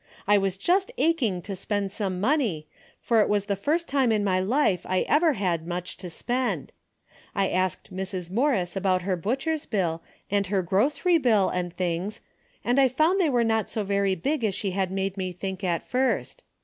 I was just aching to spend some money, for it was the first time in my life I ever had much to spend. I asked Mrs. Morris about her butcher's bill, and her grocery bill, and things and I found they were not so very big as she had made me think at first.